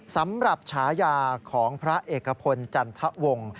สำหรับฉายาของพระเอกพลจันทะวงศ์